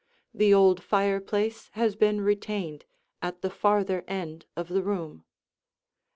The old fireplace has been retained at the farther end of the room.